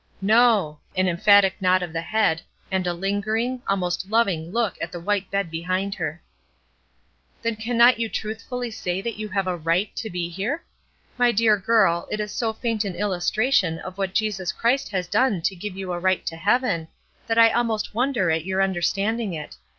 "No." An emphatic nod of the head, and a lingering, almost loving look at the white bed behind her. "Then cannot you truthfully say that you have a right to be here? My dear girl, it is so faint an illustration of what Jesus Christ has done to give you a right to heaven, that I almost wonder at your understanding it.